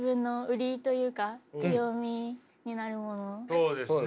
そうですね